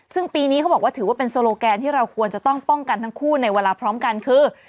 ซึ่งปีนี้เขาบอกว่าถือว่าเป็นโซโลแกนที่เราควรจะต้องป้องกันทั้งคู่ในเวลาพร้อมกันคือ